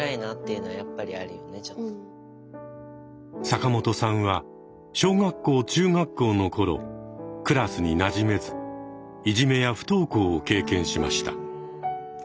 坂本さんは小学校中学校の頃クラスになじめずいじめや不登校を経験しました。